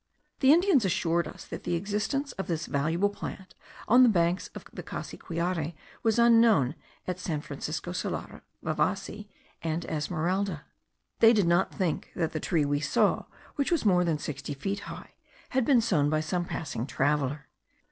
The Indians assured us, that the existence of this valuable plant of the banks of the Cassiquiare was unknown at San Francisco Solano, Vasiva, and Esmeralda. They did not think that the tree we saw, which was more than sixty feet high, had been sown by some passing traveller.